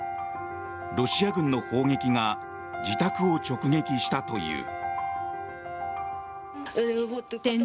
ロシア軍の砲撃が自宅を直撃したという。